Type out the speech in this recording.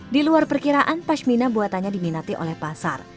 di luar perkiraan pashmina buatannya diminati oleh pasar